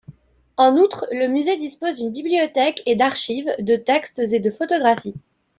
En outre, le musée dispose d'une bibliothèque et d'archives, de textes et des photographies.